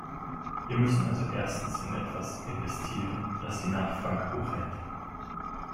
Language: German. Wir müssen also erstens in etwas investieren, das die Nachfrage hoch hält.